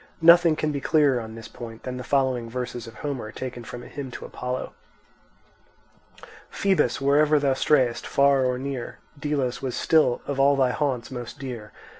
Nothing can be clearer on this point than the following verses of Homer, taken from a hymn to Apollo: Phœbus, wherever thou strayest, far or near, Delos was still of all thy haunts most dear.